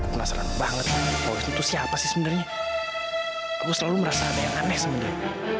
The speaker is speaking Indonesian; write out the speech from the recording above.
penasaran banget waktu itu siapa sih sebenarnya aku selalu merasa ada yang aneh sebenarnya